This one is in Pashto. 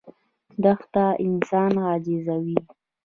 دښته انسان عاجزوي.